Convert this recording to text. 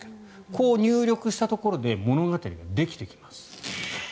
こう入力したところで物語ができてきます。